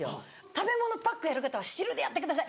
食べ物パックやる方は汁でやってください。